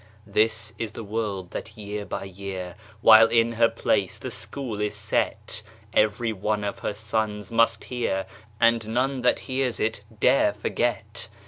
This is the word that year by year, While in her place the School is set, Every one of her sons must hear, And none that hears it dare forget.